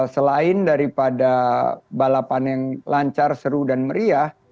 selain daripada balapan yang lancar seru dan meriah